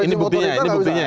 ini buktinya ya